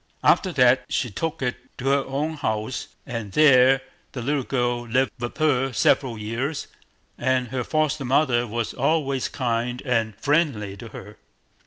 After that she took it to her own house, and there the little girl lived with her several years, and her foster mother was always kind and friendly to her.